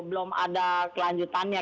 belum ada kelanjutannya